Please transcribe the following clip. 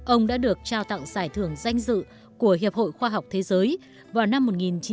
ông đã được trao tặng giải thưởng danh dự của hiệp hội khoa học thế giới vào năm một nghìn chín trăm bảy mươi